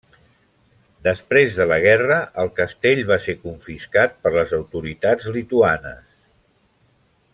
Després de la guerra, el castell va ser confiscat per les autoritats lituanes.